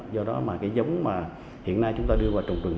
do đó mà cái giống mà hiện nay chúng ta đưa vào trồng rừng